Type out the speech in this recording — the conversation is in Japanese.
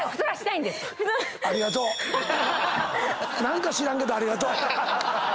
何か知らんけどありがとう。